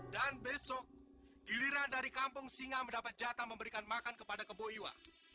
dan besok giliran dari kampung singa mendapat jatah memberikan makan kepada keboiwa